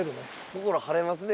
心晴れますね。